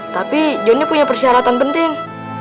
tapi johnny punya persyaratan penting